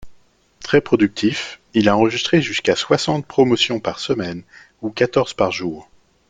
Très productif, il a enregistré jusqu'à soixante promotions par semaine ou quatorze par jour.